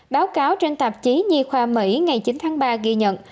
báo cáo trên tạp chí nhi khoa mỹ ngày chín tháng ba ghi nhận